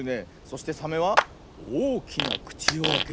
そしてサメはおおきなくちをあけておよぐ。